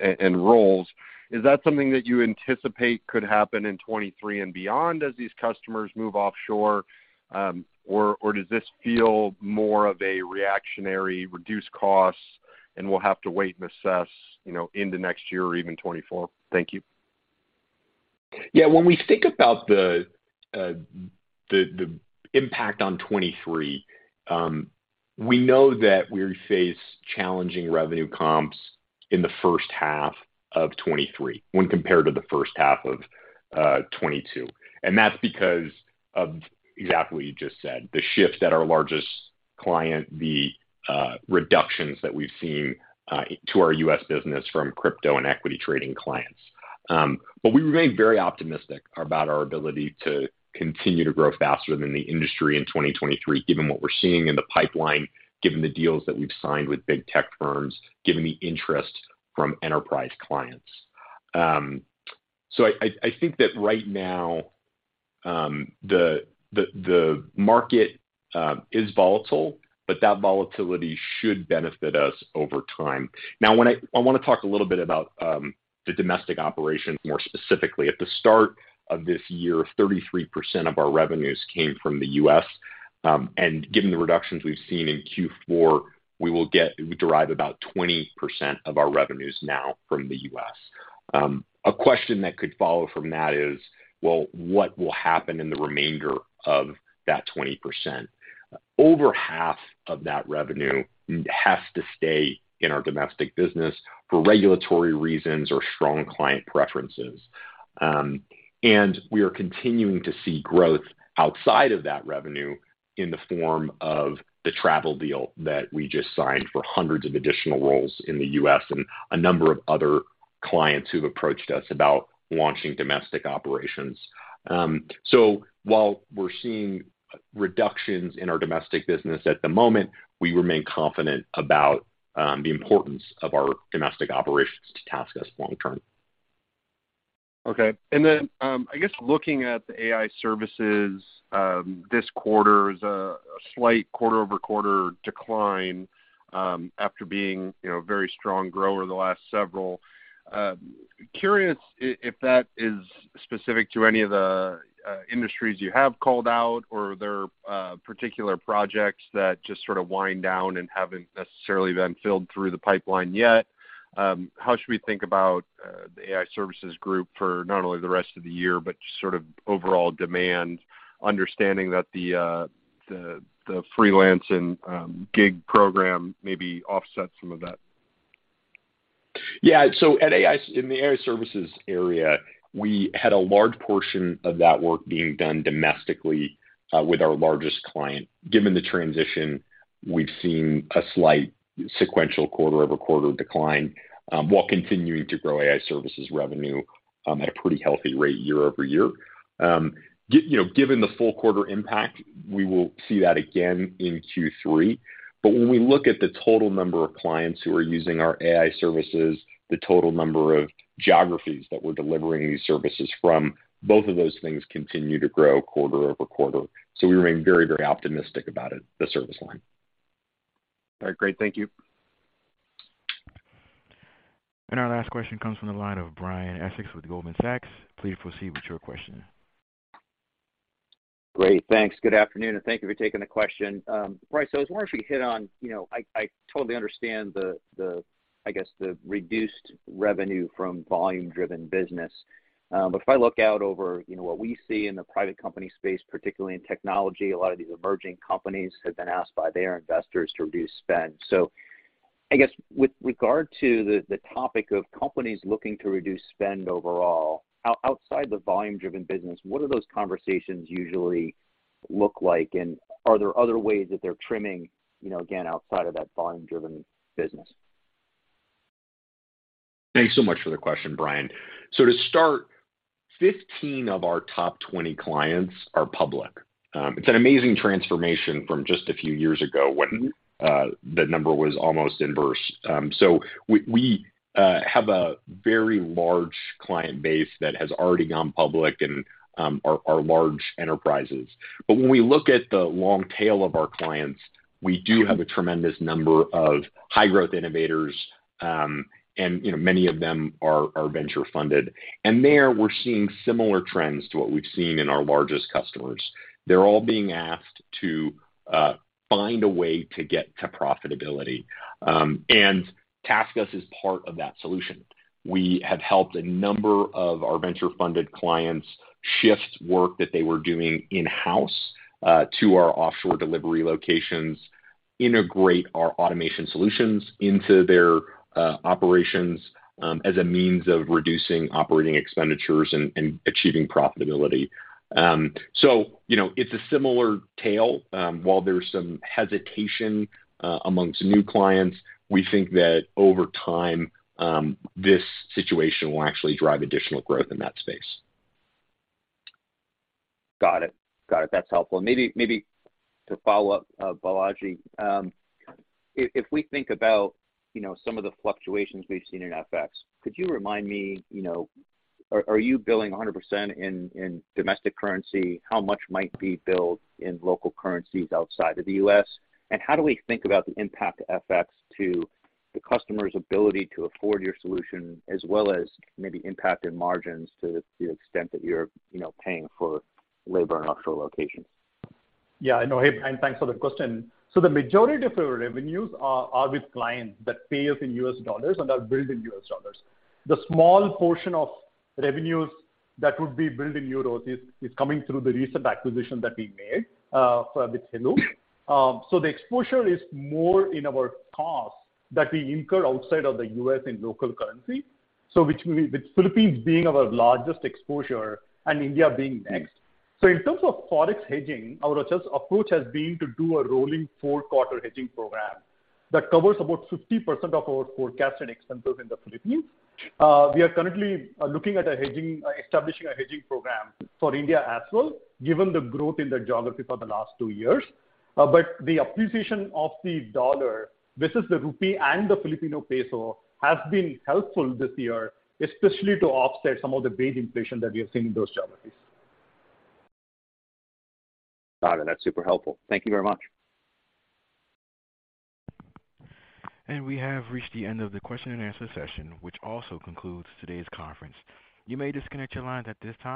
and roles. Is that something that you anticipate could happen in 2023 and beyond as these customers move offshore? Does this feel more of a reactionary reduce costs and we'll have to wait and assess, you know, into next year or even 2024? Thank you. Yeah. When we think about the impact on 2023, we know that we face challenging revenue comps in the first half of 2023 when compared to the first half of 2022. That's because of exactly what you just said, the shift at our largest client, the reductions that we've seen to our U.S. business from crypto and equity trading clients. We remain very optimistic about our ability to continue to grow faster than the industry in 2023, given what we're seeing in the pipeline, given the deals that we've signed with big tech firms, given the interest from enterprise clients. I think that right now, the market is volatile, but that volatility should benefit us over time. Now, I wanna talk a little bit about the domestic operations more specifically. At the start of this year, 33% of our revenues came from the U.S. Given the reductions we've seen in Q4, we will derive about 20% of our revenues now from the U.S. A question that could follow from that is, well, what will happen in the remainder of that 20%? Over half of that revenue has to stay in our domestic business for regulatory reasons or strong client preferences. We are continuing to see growth outside of that revenue in the form of the travel deal that we just signed for hundreds of additional roles in the U.S. and a number of other clients who've approached us about launching domestic operations. While we're seeing reductions in our domestic business at the moment, we remain confident about the importance of our domestic operations to TaskUs long term. Okay. I guess looking at the AI Services, this quarter is a slight quarter-over-quarter decline, after being, you know, a very strong grower the last several. Curious if that is specific to any of the industries you have called out or are there particular projects that just sort of wind down and haven't necessarily been filled through the pipeline yet? How should we think about the AI Services group for not only the rest of the year, but just sort of overall demand, understanding that the freelance and gig program maybe offset some of that? Yeah. In the AI Services area, we had a large portion of that work being done domestically with our largest client. Given the transition, we've seen a slight sequential quarter-over-quarter decline while continuing to grow AI Services revenue at a pretty healthy rate year-over-year. You know, given the full quarter impact, we will see that again in Q3. When we look at the total number of clients who are using our AI Services, the total number of geographies that we're delivering these services from, both of those things continue to grow quarter-over-quarter. We remain very, very optimistic about it, the service line. All right. Great. Thank you. Our last question comes from the line of Brian Essex with Goldman Sachs. Please proceed with your question. Great. Thanks. Good afternoon, and thank you for taking the question. Bryce, I was wondering if you hit on, you know, I totally understand the I guess the reduced revenue from volume-driven business. But if I look out over, you know, what we see in the private company space, particularly in technology, a lot of these emerging companies have been asked by their investors to reduce spend. I guess with regard to the topic of companies looking to reduce spend overall, outside the volume-driven business, what do those conversations usually look like? Are there other ways that they're trimming, you know, again, outside of that volume-driven business? Thanks so much for the question, Brian. To start, 15 of our top 20 clients are public. It's an amazing transformation from just a few years ago when the number was almost inverse. We have a very large client base that has already gone public and are large enterprises. When we look at the long tail of our clients, we do have a tremendous number of high-growth innovators, and you know, many of them are venture funded. There, we're seeing similar trends to what we've seen in our largest customers. They're all being asked to find a way to get to profitability. TaskUs is part of that solution. We have helped a number of our venture-funded clients shift work that they were doing in-house to our offshore delivery locations, integrate our automation solutions into their operations, as a means of reducing operating expenditures and achieving profitability. You know, it's a similar tale. While there's some hesitation among new clients, we think that over time this situation will actually drive additional growth in that space. Got it. That's helpful. Maybe to follow up, Balaji, if we think about, you know, some of the fluctuations we've seen in FX, could you remind me, you know, are you billing 100% in domestic currency? How much might be billed in local currencies outside of the U.S.? How do we think about the impact to FX to the customer's ability to afford your solution as well as maybe impact in margins to the extent that you're, you know, paying for labor in offshore locations? Hey, Brian, thanks for the question. The majority of our revenues are with clients that pay us in U.S. dollars and are billed in U.S. dollars. The small portion of revenues that would be billed in euros is coming through the recent acquisition that we made with Heloo. The exposure is more in our costs that we incur outside of the U.S. in local currency, with Philippines being our largest exposure and India being next. In terms of Forex hedging, our approach has been to do a rolling four-quarter hedging program that covers about 50% of our forecasted expenses in the Philippines. We are currently looking at establishing a hedging program for India as well, given the growth in the geography for the last two years. The appreciation of the dollar versus the rupee and the Filipino peso has been helpful this year, especially to offset some of the wage inflation that we have seen in those geographies. Got it. That's super helpful. Thank you very much. We have reached the end of the question and answer session, which also concludes today's conference. You may disconnect your lines at this time.